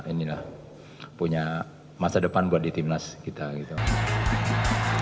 tim nasional senior yang akan berlaga di piala aff november nanti akan kembali menjalani laga uji coba kontra homtom enam belas oktober